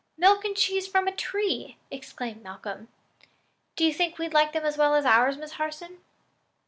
"Milk and cheese from a tree!" exclaimed Malcolm. "Do you think we'd like them as well as ours, Miss Harson?"